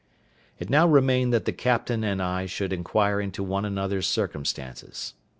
It now remained that the captain and I should inquire into one another's circumstances.